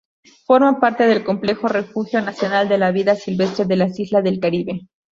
Forma parte del Complejo Refugio Nacional de Vida Silvestre de las Islas del Caribe.